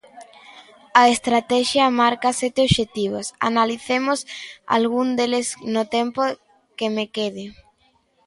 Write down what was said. A estratexia marca sete obxectivos –analicemos algún deles no tempo que me quede–.